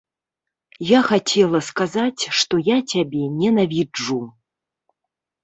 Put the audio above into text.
Я хацела сказаць, што я цябе ненавіджу.